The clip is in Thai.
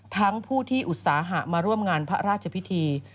ผู้ที่อุตสาหะมาร่วมงานพระราชพิธี